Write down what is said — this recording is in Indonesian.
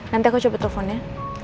nanti aku coba teleponnya